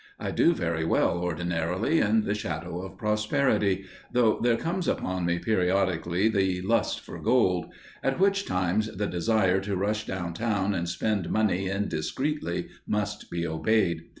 I do very well, ordinarily, in the shadow of prosperity, though there comes upon me periodically the lust for gold, at which times the desire to rush down town and spend money indiscreetly must be obeyed.